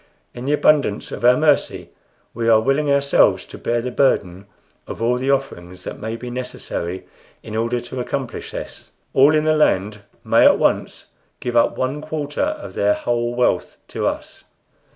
In the abundance of our mercy we are willing ourselves to bear the burden of all the offerings that may be necessary in order to accomplish this. All in the land may at once give up one quarter of their whole wealth to us."